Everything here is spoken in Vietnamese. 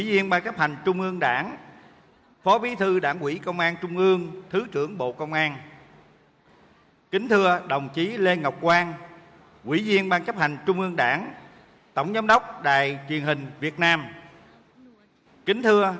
xin trân trọng kính mời